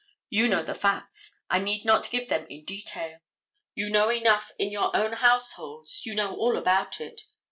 You know the facts. I need not give them in detail. You know enough in your own households; you know all about it.